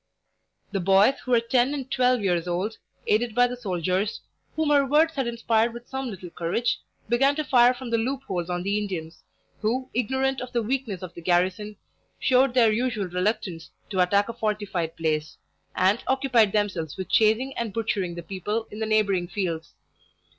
The boys, who were ten and twelve years old, aided by the soldiers, whom her words had inspired with some little courage, began to fire from the loop holes on the Indians, who, ignorant of the weakness of the garrison, showed their usual reluctance to attack a fortified place, and occupied themselves with chasing and butchering the people in the neighbouring fields.